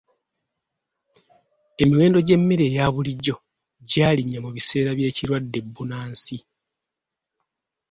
Emiwendo gy'emmere eya bulijjo gyalinnya mu biseera by'ekirwadde bbunansi.